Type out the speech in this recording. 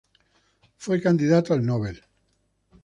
Fue candidato al Nobel.